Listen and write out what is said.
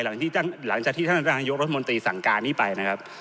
หลังจากที่ท่านรองนายกรัฐมนตรีสั่งการนี้ไปนะครับ